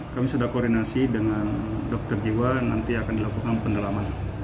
kami sudah koordinasi dengan dokter jiwa nanti akan dilakukan pendalaman